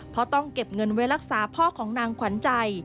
เพราะต้องเก็บเงินไว้รักษาพ่อของนางขวัญใจ